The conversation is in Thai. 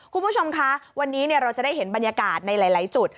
คุณผู้ชมคะวันนี้เราจะได้เห็นบรรยากาศในหลายจุด